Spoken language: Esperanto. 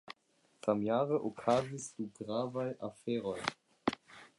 Samjare okazis du gravaj aferoj.